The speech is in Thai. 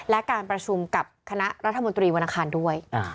และการประชุมกับคณะรัฐมนตรีวันอังคารด้วย